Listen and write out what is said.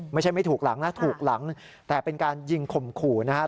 ไม่ถูกหลังนะถูกหลังแต่เป็นการยิงข่มขู่นะครับ